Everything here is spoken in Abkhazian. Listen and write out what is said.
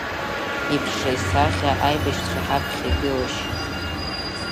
Иԥшра, исахьа, аибашьцәа ҳаԥхьа игылашьа.